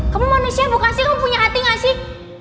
kamu manusia bukan sih kamu punya hati gak sih